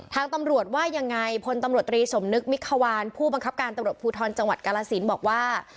ทางตำรวจว่ายังไงพลตำรวจตรีสมนึกมิควานผู้บังคับการตำรวจภูทรจังหวัดกาลสินบอกว่า